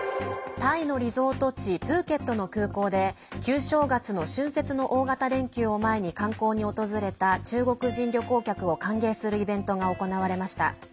タイのリゾート地プーケットの空港で旧正月の春節の大型連休を前に観光に訪れた中国人旅行客を歓迎するイベントが行われました。